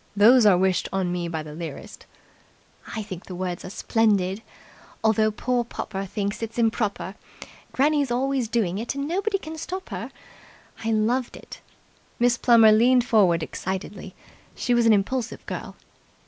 "Those are wished on me by the lyrist." "I think the words are splendid. Although poor popper thinks its improper, Granny's always doing it and nobody can stop her! I loved it." Miss Plummer leaned forward excitedly. She was an impulsive girl.